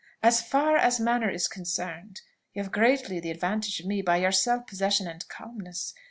As far as manner is concerned, you have greatly the advantage of me by your self possession and calmness.